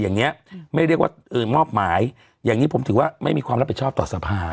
อย่างเงี้ยไม่ได้เรียกว่าเออมอบหมายอย่างงี้ผมถือว่าไม่มีความรับประชาปต่อสภา